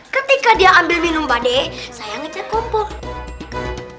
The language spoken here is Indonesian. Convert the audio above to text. ketika dia ambil minum badai saya ngecek kompok